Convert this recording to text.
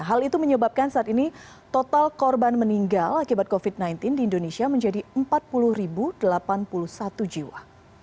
hal itu menyebabkan saat ini total korban meninggal akibat covid sembilan belas di indonesia menjadi empat puluh delapan puluh satu jiwa